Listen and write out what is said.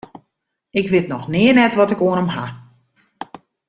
Ik wit noch nea net wat ik oan him haw.